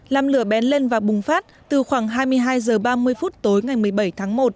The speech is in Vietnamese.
làm lửa bén lên và bùng phát từ khoảng hai mươi hai h ba mươi phút tối ngày một mươi bảy tháng một